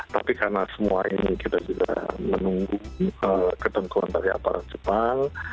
tapi karena semua ini kita sudah menunggu ketentuan dari aparat jepang